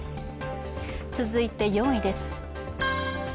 続いて４位です